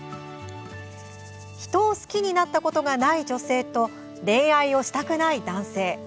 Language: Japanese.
人を好きになったことがない女性と恋愛をしたくない男性。